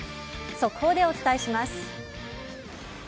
速報でお伝えします。